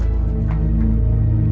terima kasih pak